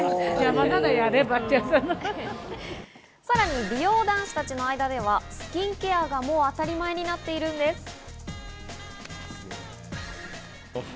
さらに美容男子たちの間ではスキンケアがもう当たり前になっているんです。